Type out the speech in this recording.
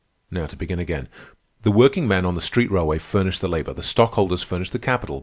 Now to begin again. The workingmen on the street railway furnish the labor. The stockholders furnish the capital.